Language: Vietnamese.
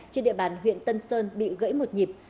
trên địa bàn huyện tân sơn bị gãy một nhịp